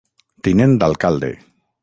Tinent d'Alcalde.